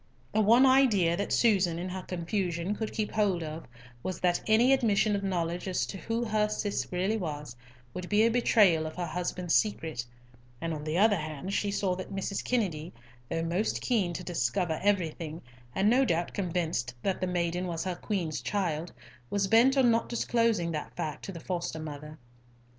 The one idea that Susan, in her confusion, could keep hold of was that any admission of knowledge as to who her Cis really was, would be a betrayal of her husband's secret; and on the other hand she saw that Mrs. Kennedy, though most keen to discover everything, and no doubt convinced that the maiden was her Queen's child, was bent on not disclosing that fact to the foster mother.